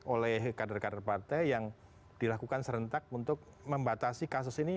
oleh kader kader partai yang dilakukan serentak untuk membatasi kasus ini